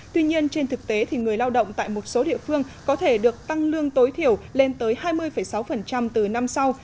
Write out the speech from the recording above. tuy nhiên trên thực tế người lao động tại một số địa phương có thể được tăng lương tối thiểu lên tới hai mươi sáu từ năm sau